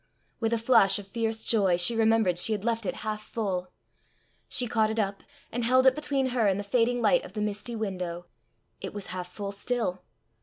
With a flash of fierce joy she remembered she had left it half full. She caught it up, and held it between her and the fading light of the misty window: it was half full still!